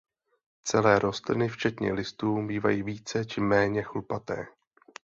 Celé rostliny včetně listů bývají více či méně chlupaté.